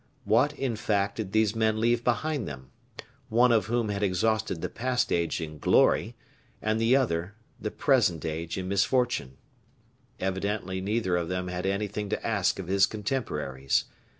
What, in fact, did these men leave behind them one of whom had exhausted the past age in glory, and the other, the present age in misfortune? Evidently neither of them had anything to ask of his contemporaries.